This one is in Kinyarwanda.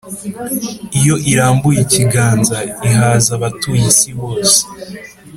Iyo irambuye ikiganza ihaza abatuye isi bose